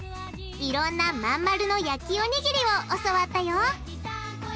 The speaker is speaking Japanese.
いろんな真ん丸の焼きおにぎりを教わったよ！